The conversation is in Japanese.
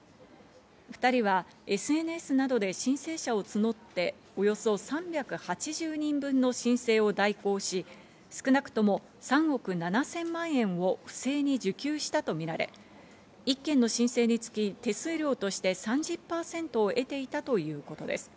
２人はＳＮＳなどで申請者を募って、およそ３８０人分の申請を代行し、少なくとも３億７０００万円を不正に受給したとみられ、１件の申請につき手数料として３０％を得ていたということです。